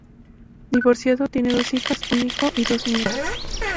Divorciado, tiene dos hijas, un hijo y dos nietas.